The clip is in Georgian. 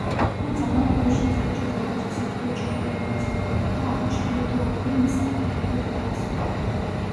თუმცა მან ვერ შეძლო ჭიდაობის მსოფლიო ჩემპიონატის მოგება და აღნიშნული ტურნირი მესამე ადგილით დაასრულა.